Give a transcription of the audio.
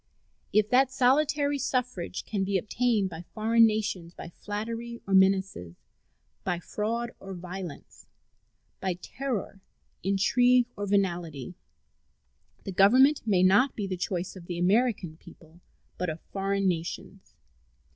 If that solitary suffrage can be obtained by foreign nations by flattery or menaces, by fraud or violence, by terror, intrigue, or venality, the Government may not be the choice of the American people, but of foreign nations.